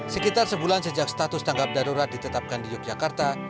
sekitar sebulan sejak status tanggap darurat ditetapkan di yogyakarta